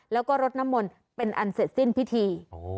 แล้วก็รดน้ำมนต์เป็นอันเสร็จสิ้นพิธี